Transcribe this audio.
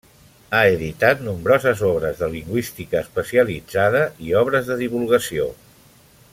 Ha editat nombroses obres de lingüística especialitzada i obres de divulgació.